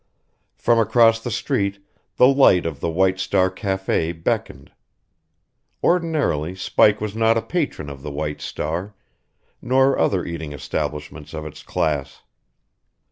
From across the street the light of the White Star Café beckoned. Ordinarily Spike was not a patron of the White Star, nor other eating establishments of its class.